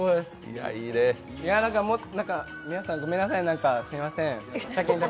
なんか皆さんごめんなさい、なんかすみません。